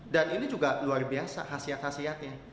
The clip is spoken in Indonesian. dan ini juga luar biasa khasiat khasiatnya